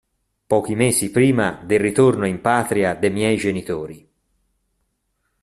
Pochi mesi prima del ritorno in patria de' miei genitori.